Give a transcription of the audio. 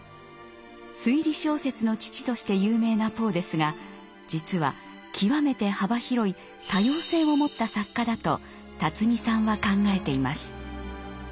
「推理小説の父」として有名なポーですが実は極めて幅広い多様性を持った作家だとさんは考えています。